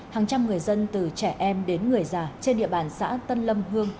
hàng trăm người dân từ trẻ em đến người già trên địa bàn xã tân lâm hương